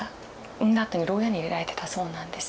産んだあとに牢屋に入れられてたそうなんです。